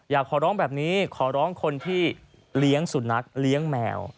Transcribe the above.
อยากขอร้องแบบนี้ขอร้องคนที่เลี้ยงสุนัขเลี้ยงแมว